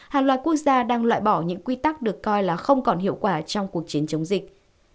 hàng loạt quốc gia đang loại bỏ những quy tắc được coi là không còn hiệu quả trong cuộc chiến chống dịch